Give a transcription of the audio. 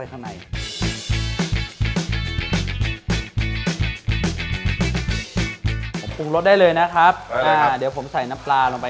เพื่อให้ผิวนอกกรอบนะคะ